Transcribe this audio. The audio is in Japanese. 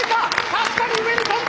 確かに上に跳んだ！